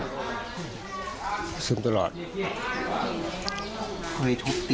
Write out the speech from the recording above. ตอนนั้นเขาก็เลยรีบวิ่งออกมาดูตอนนั้นเขาก็เลยรีบวิ่งออกมาดู